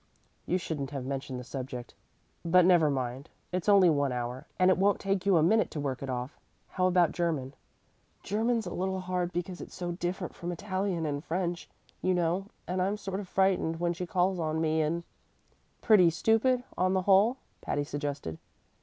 You shouldn't have mentioned the subject. But never mind. It's only one hour, and it won't take you a minute to work it off. How about German?" "German's a little hard because it's so different from Italian and French, you know; and I'm sort of frightened when she calls on me, and " "Pretty stupid, on the whole?" Patty suggested.